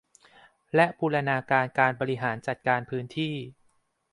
และบูรณาการการบริหารจัดการพื้นที่